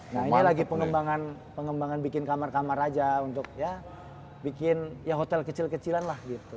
nah ini lagi pengembangan pengembangan bikin kamar kamar aja untuk ya bikin ya hotel kecil kecilan lah gitu